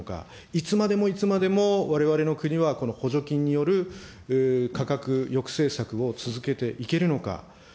いつまでもいつまでもわれわれの国はこの補助金による価格抑制策を続けていけるのか。